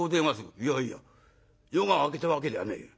「いやいや夜が明けたわけではねえ。